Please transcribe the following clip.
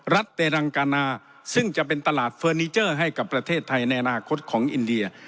เตรังกานาซึ่งจะเป็นตลาดเฟอร์นิเจอร์ให้กับประเทศไทยในอนาคตของอินเดีย